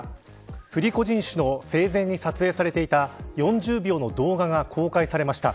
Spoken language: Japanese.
プリゴジン氏の生前に撮影されていた４０秒の動画が公開されました。